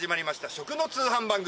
食の通販番組。